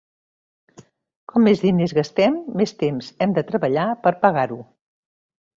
Com més diners gastem, més temps hem de treballar per pagar-ho.